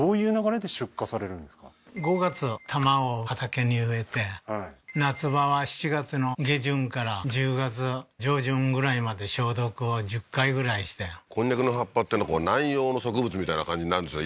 ５月は玉を畑に植えて夏場は７月の下旬から１０月上旬ぐらいまで消毒を１０回ぐらいしてコンニャクの葉っぱっていうの南洋の植物みたいな感じになるんですよ